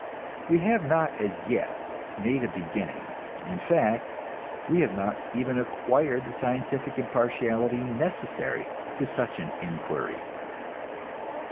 We have not as yet made a beginning; in fact, we have not even acquired the scientific impartiality necessary to such an inquiry.